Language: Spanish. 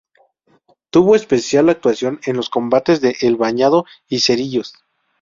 Tuvo especial actuación en los combates de El Bañado y Cerrillos.